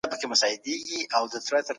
نرمغالي د انساني ژوند ډېري ستونزي حل کړي دي.